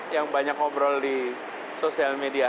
yang banyak ngobrol di sosial media